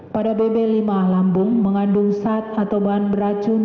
pada bb lima lambung mengandung zat atau bahan beracun